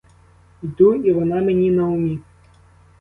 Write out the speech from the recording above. Йду і вона мені на умі.